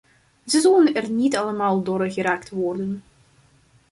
Ze zullen er niet allemaal door geraakt worden.